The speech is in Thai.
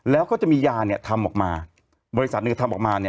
แล้วก็จะมียาทำออกมาบริษัทหนึ่งทำออกมา